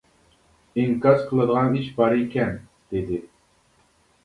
ئىنكاس قىلىدىغان ئىشى بار ئىكەن، -دېدى.